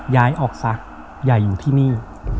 ย้ายออกซะอย่าอยู่ที่นี่